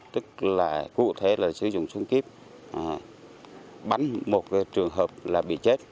tức là cụ thể là sử dụng súng kíp bắn một trường hợp là bị chết